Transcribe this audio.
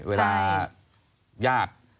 เวลาญาติ